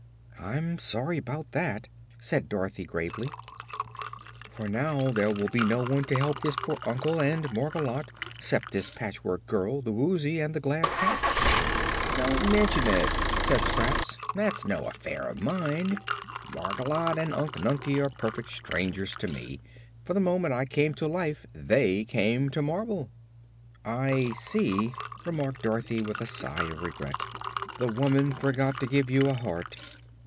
"I'm sorry 'bout that," said Dorothy gravely, "for now there will be no one to help his poor uncle and Margolotte 'cept this Patchwork Girl, the Woozy and the Glass Cat." "Don't mention it," said Scraps. "That's no affair of mine. Margolotte and Unc Nunkie are perfect strangers to me, for the moment I came to life they came to marble." "I see," remarked Dorothy with a sigh of regret; "the woman forgot to give you a heart."